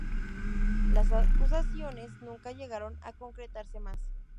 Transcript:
Las acusaciones nunca llegaron a concretarse más.